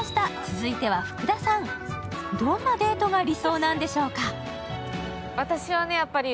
続いては福田さん、どんなデートが理想なんでしょうか。